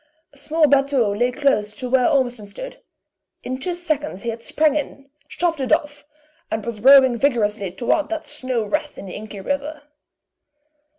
A small batteau lay close to where Ormiston stood; in two seconds he had sprang in, shoved it off, and was rowing vigorously toward that snow wreath in the inky river.